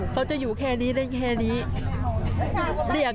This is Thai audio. เขาจะอยู่แค่นี้ได้แค่นี้